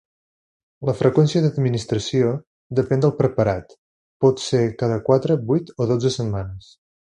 La freqüència d'administració depèn del preparat: pot ser cada quatre, vuit o dotze setmanes.